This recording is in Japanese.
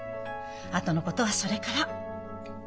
あとの事はそれから。